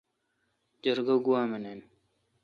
جرگہ گوا منین۔